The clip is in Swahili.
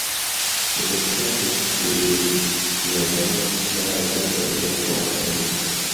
Kikosi chake kilianyanganywa silaha zote alizokuwa anamiliki